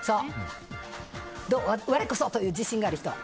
我こそ！という自信がある人は？